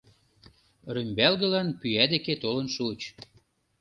Рӱмбалгылан пӱя деке толын шуыч.